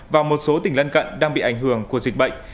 và một số tỉnh lân cận đang bị ảnh hưởng của dịch bệnh